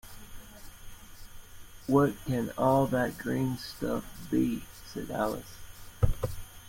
‘What can all that green stuff be?’ said Alice.